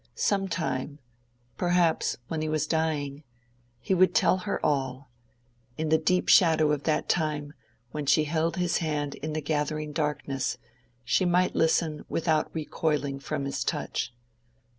Some time, perhaps—when he was dying—he would tell her all: in the deep shadow of that time, when she held his hand in the gathering darkness, she might listen without recoiling from his touch.